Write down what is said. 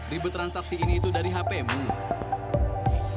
ribet transaksi ini itu dari hp mu